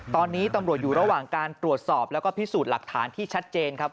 ตอนนี้ตำรวจอยู่ระหว่างการตรวจสอบแล้วก็พิสูจน์หลักฐานที่ชัดเจนครับ